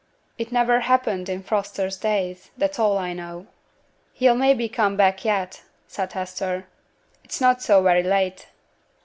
It niver happened i' Fosters' days, that's a' I know.' 'He'll maybe come back yet,' said Hester. 'It's not so very late.'